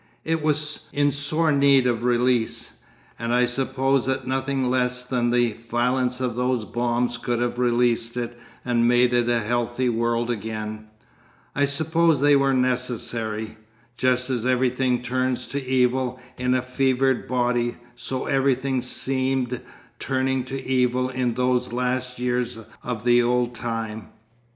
It was in sore need of release, and I suppose that nothing less than the violence of those bombs could have released it and made it a healthy world again. I suppose they were necessary. Just as everything turns to evil in a fevered body so everything seemed turning to evil in those last years of the old time.